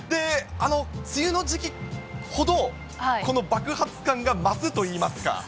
梅雨の時期ほど、この爆発感が増すといいますか。